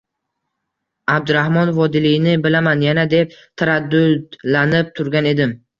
–Abdurahmon Vodiliyni bilaman yana, – deb taraddudlanib turgan edim